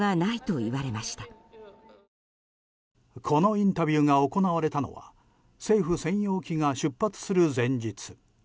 このインタビューが行われたのは政府専用機が出発する前日。